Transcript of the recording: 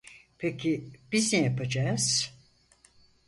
Peki biz ne yapacağız?